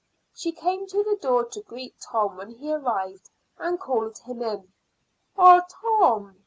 She came to the door to greet Tom when he arrived, and called him in. "Ah, Tom!"